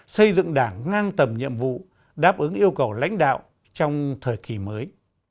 xây dựng đảng ngang tầm nhiệm vụ đáp ứng yêu cầu lãnh đạo trong thời kỳ mới